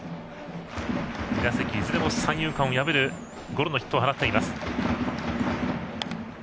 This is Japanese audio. ２打席、いずれも三遊間を破るゴロのヒットを放っています。